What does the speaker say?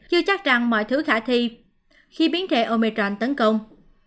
chưa chắc rằng mọi thứ khả thi khi biến thể omicron tấn công